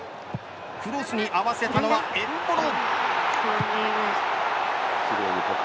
クロスに合わせたのはエンボロ。